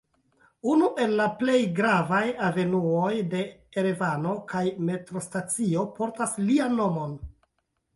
Unu el la plej gravaj avenuoj de Erevano kaj metrostacio portas lian nomon.